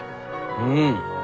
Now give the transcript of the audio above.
うん。